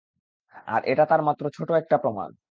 আর এটা তার মাত্র ছোট একটা প্রমাণ।